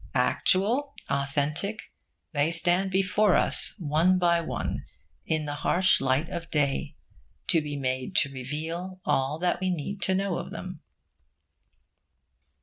Actual, authentic, they stand before us, one by one, in the harsh light of day, to be made to reveal all that we need to know of them.